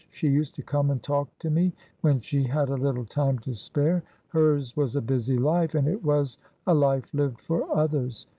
She used to come and talk to me when she had a little time to spare. Hers was a busy life, and it was a life lived for others.